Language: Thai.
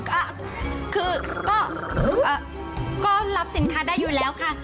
ก็คือก็รับสินค้าได้อยู่แล้วค่ะ